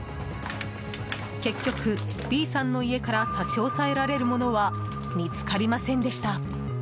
結局、Ｂさんの家から差し押さえられるものは見つかりませんでした。